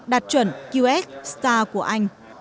đạt chuẩn qs star của anh